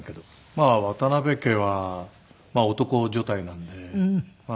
まあ渡辺家は男所帯なんで。